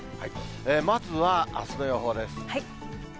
まずはあすの予報です。